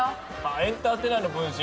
エンターテナーの分身。